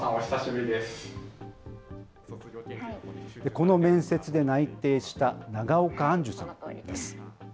この面接で内定した、長岡杏珠さんです。